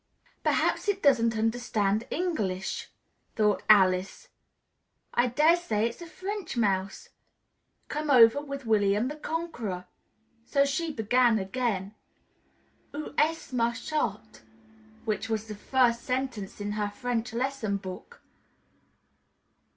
"Perhaps it doesn't understand English," thought Alice. "I dare say it's a French mouse, come over with William the Conqueror." So she began again: "Où est ma chatte?" which was the first sentence in her French lesson book.